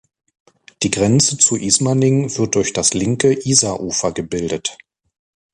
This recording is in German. Die Grenze zu Ismaning wird durch das linke Isarufer gebildet.